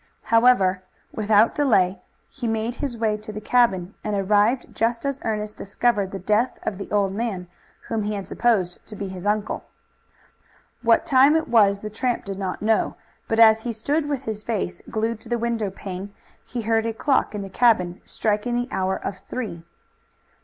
However, without delay, he made his way to the cabin, and arrived just as Ernest discovered the death of the old man whom he had supposed to be his uncle. What time it was the tramp did not know, but as he stood with his face glued to the window pane he heard a clock in the cabin striking the hour of three.